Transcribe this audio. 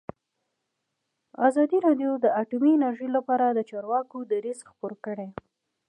ازادي راډیو د اټومي انرژي لپاره د چارواکو دریځ خپور کړی.